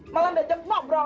malah diajak ngobrol